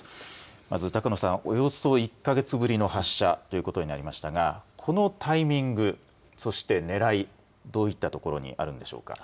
まず高野さん、およそ１か月ぶりの発射ということになりましたがこのタイミング、そしてねらい、どういったところにあるんでしょうか。